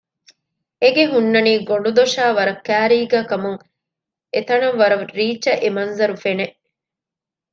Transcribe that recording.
އެ ގެ ހުންނަނީ ގޮނޑުދޮށާ ވަރަށް ކައިރީގައި ކަމުން އެތަނަށް ވަރަށް ރީއްޗަށް އެ މަންޒަރު ފެނެ